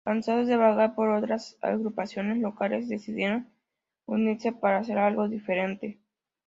Cansados de vagar por otras agrupaciones locales, decidieron unirse para hacer algo diferente.